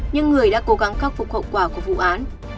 nhưng người đã cố gắng khắc phục hậu quả của vụ án